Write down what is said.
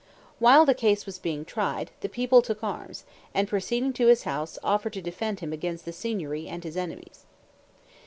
While the case was being tried, the people took arms, and, proceeding to his house, offered to defend him against the Signory and his enemies.